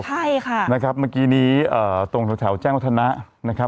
ใช่ค่ะนะครับเมื่อกี้นี้ตรงแถวแจ้งวัฒนะนะครับ